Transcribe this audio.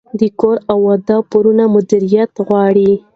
د کور او واده پورونه مدیریت غواړي.